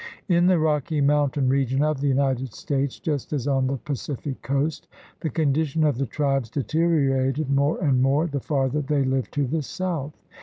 In the Rocky Mountain region of the United States, just as on the Pacific coast, the condi tion of the tribes deteriorated more and more the farther they lived to the south.